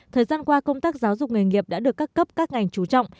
thời gian qua công tác giáo dục nghề nghiệp đã được các cấp các ngành trú trọng